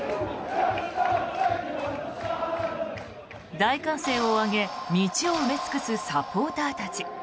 大歓声を上げ道を埋め尽くすサポーターたち。